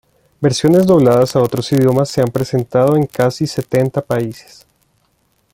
Versiones dobladas a otros idiomas se han presentado en casi setenta países.